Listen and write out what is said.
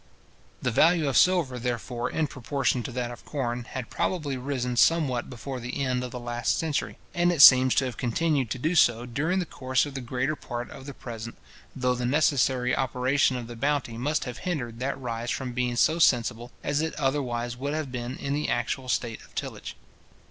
The value of silver, therefore, in proportion to that of corn, had probably risen somewhat before the end of the last century; and it seems to have continued to do so during the course of the greater part of the present, though the necessary operation of the bounty must have hindered that rise from being so sensible as it otherwise would have been in the actual state of tillage.